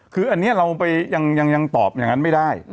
คืออันนี้เรายังตอบอย่างนั้นไม่ได้